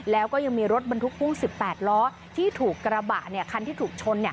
แล้วก็ยังมีรถบรรทุกพ่วง๑๘ล้อที่ถูกกระบะคันที่ถูกชน